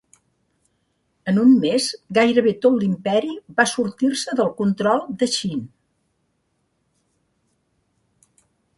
En un mes, gairebé tot l'imperi va sortir-se del control de Xin.